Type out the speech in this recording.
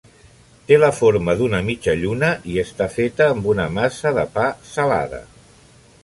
Té la forma d'una mitja lluna i està feta amb una massa de pa salada.